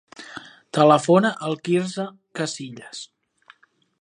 Telefona al Quirze Casillas.